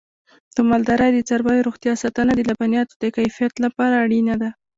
د مالدارۍ د څارویو روغتیا ساتنه د لبنیاتو د کیفیت لپاره اړینه ده.